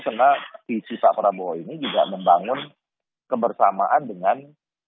karena visi pak prabowo ini juga membangun kebersamaan dengan